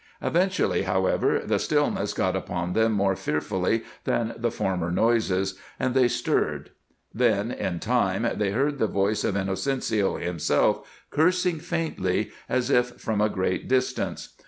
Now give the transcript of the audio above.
Eventually, however, the stillness got upon them more fearfully than the former noises, and they stirred. Then, in time, they heard the voice of Inocencio himself cursing faintly, as if from a great distance.